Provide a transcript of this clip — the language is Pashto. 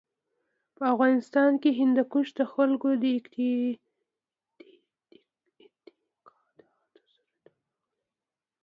په افغانستان کې هندوکش د خلکو د اعتقاداتو سره تړاو لري.